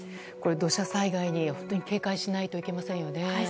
土砂災害に本当に警戒しないといけませんよね。